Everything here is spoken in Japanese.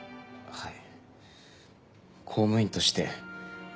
はい。